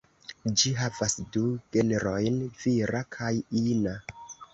Ĝi havas du genrojn: vira kaj ina.